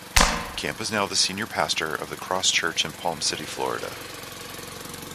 Camp is now the senior pastor of The Cross Church in Palm City, Florida.